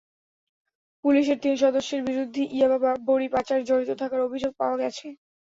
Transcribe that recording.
পুলিশের তিন সদস্যের বিরুদ্ধে ইয়াবা বড়ি পাচারে জড়িত থাকার অভিযোগ পাওয়া গেছে।